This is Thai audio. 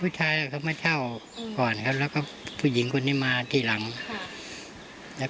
ผู้ชายก็มาเจาะก่อนก็แล้วก็พี่หญิงคนที่มาทีหลังแล้ว